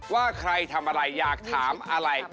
ว่าใครทำอะไรอยากถามอะไร